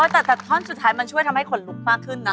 แต่ท่อนสุดท้ายมันช่วยทำให้ขนลุกมากขึ้นนะ